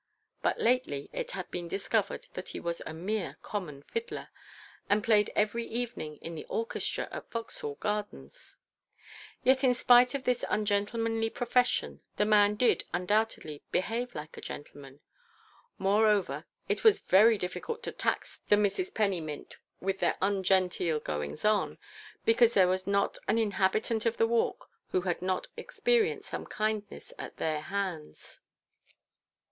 But lately it had been discovered that he was a mere common fiddler, and played every evening in the orchestra at Vauxhall Gardens. Yet, in spite of his ungentlemanly profession, the man did, undoubtedly, behave like a gentleman. Moreover, it was very difficult to tax the Misses Pennymint with their ungenteel goings on; because there was not an inhabitant of the Walk who had not experienced some kindness at their hands.